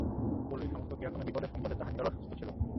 পল্লীর সমস্ত ক্রিয়াকর্মে বিপদে সম্পদে তাঁহার নিরলস হস্ত ছিল।